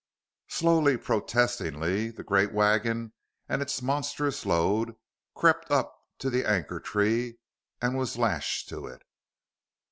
Slowly, protestingly, the great wagon and its monstrous load crept up to the anchor tree and was lashed to it.